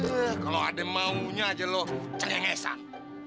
eh kalau ada maunya aja lo cengengesan